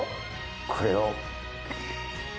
これを。